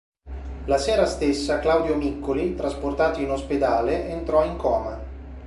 La sera stessa Claudio Miccoli, trasportato in ospedale, entrò in coma.